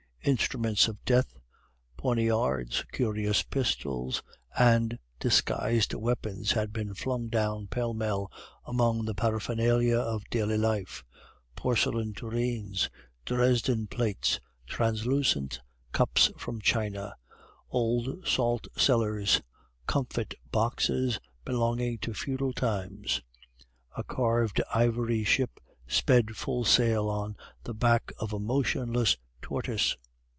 Instruments of death, poniards, curious pistols, and disguised weapons had been flung down pell mell among the paraphernalia of daily life; porcelain tureens, Dresden plates, translucent cups from china, old salt cellars, comfit boxes belonging to feudal times. A carved ivory ship sped full sail on the back of a motionless tortoise.